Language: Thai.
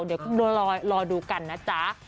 เดี๋ยวรอดูกันนะจ๊ะ